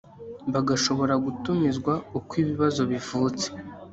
bagashobora gutumizwa uko ibibazo bivutse